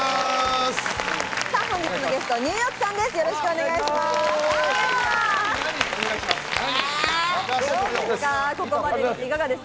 本日のゲスト、ニューヨークさんです。